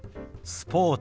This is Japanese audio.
スポーツ。